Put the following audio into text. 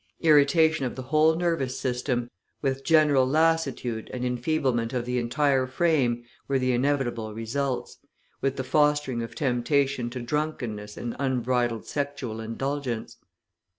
Irritation of the whole nervous system, with general lassitude and enfeeblement of the entire frame, were the inevitable results, with the fostering of temptation to drunkenness and unbridled sexual indulgence.